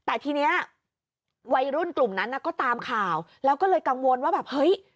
แต่ทีเนี้ยวัยรุ่นกลุ่มนั้นน่ะก็ตามข่าวแล้วก็เลยกังวลว่าแบบเฮ้ย